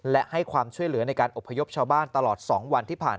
และให้ความช่วยเหลือในการอบพยพชาวบ้านตลอด๒วันที่ผ่าน